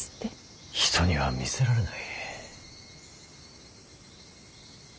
人には見せられない。